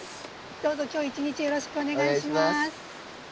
どうぞ今日一日よろしくお願いします。